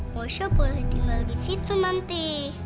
mosya boleh tinggal di situ nanti